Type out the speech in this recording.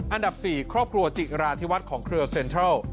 อันดับ๔ครอบครัวจิราธิวัฒน์ของเครือเซ็นทรัล